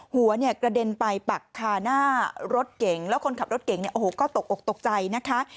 หัวเนี่ยกระเด็นไปปักคาหน้ารถเก่งแล้วคนขับรถเก่งเนี่ยโอ้โหก็ตกอกตกใจนะคะ